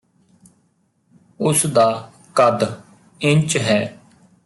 ਉਸ ਦਾ ਕੱਦ ਇੰਚ ਹੈ